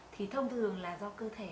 thì thông thường là do cơ thể